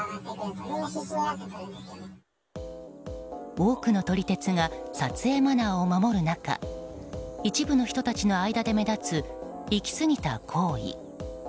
多くの撮り鉄が撮影マナーを守る中一部の人たちの間で目立つ行き過ぎた行為。